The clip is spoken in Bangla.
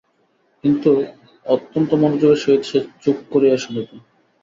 কিন্তু অত্যন্ত মনোযোগের সহিত সে চুপ করিয়া শুনিত।